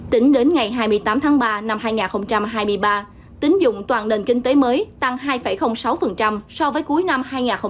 tính đến ngày hai mươi tám tháng ba năm hai nghìn hai mươi ba tính dụng toàn nền kinh tế mới tăng hai sáu so với cuối năm hai nghìn hai mươi ba